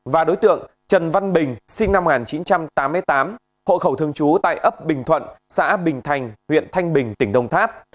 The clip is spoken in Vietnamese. và đối tượng trần văn bình sinh năm một nghìn chín trăm tám mươi tám hộ khẩu thường trú tại ấp bình thuận xã bình thành huyện thanh bình tỉnh đồng tháp